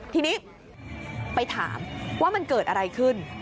ทีนี้ไปถามว่ามันเกิดอะไรขึ้น